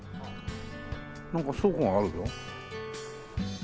なんか倉庫があるぞ。